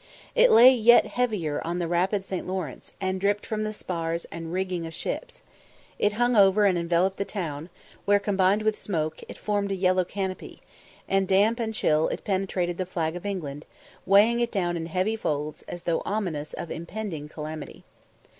It lay yet heavier on the rapid St. Lawrence, and dripped from the spars and rigging of ships. It hung over and enveloped the town, where, combined with smoke, it formed a yellow canopy; and damp and chill it penetrated the flag of England, weighing it down in heavy folds, as though ominous of impending calamity.